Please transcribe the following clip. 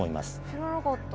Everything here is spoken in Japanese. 知らなかった。